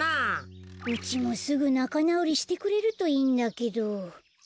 うちもすぐなかなおりしてくれるといいんだけど。